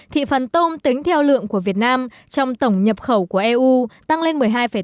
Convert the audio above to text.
thị phần tôm tính theo lượng của việt nam trong tổng nhập khẩu của eu tăng lên một mươi hai tám